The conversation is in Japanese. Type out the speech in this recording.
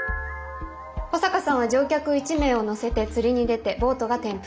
保坂さんは乗客１名を乗せて釣りに出てボートが転覆。